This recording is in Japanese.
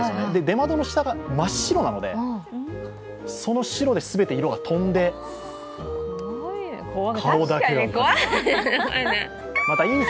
出窓の下が真っ白なのでその白で全て色が飛んで顔だけが浮かぶという。